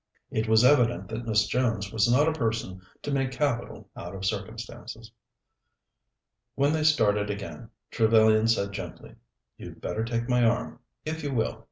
It was evident that Miss Jones was not a person to make capital out of circumstances. When they started again, Trevellyan said gently: "You'd better take my arm, if you will.